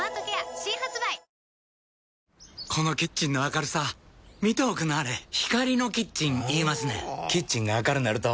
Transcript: このキッチンの明るさ見ておくんなはれ光のキッチン言いますねんほぉキッチンが明るなると・・・